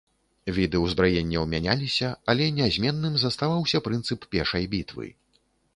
Віды ўзбраенняў мяняліся, але нязменным заставаўся прынцып пешай бітвы.